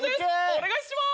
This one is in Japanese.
お願いします。